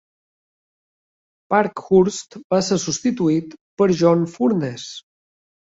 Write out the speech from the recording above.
Parkhurst va ser substituït per John Furness.